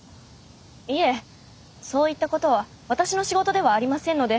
いえそういったことは私の仕事ではありませんので。